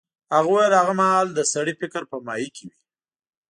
هغه وویل هغه مهال د سړي فکر په ماهي کې وي.